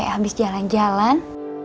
capek habis jalan jalan